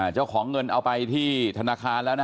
เจ้าของเงินเอาไปที่ธนาคารแล้วนะ